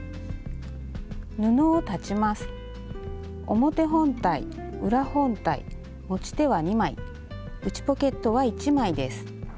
表本体裏本体持ち手は２枚内ポケットは１枚です。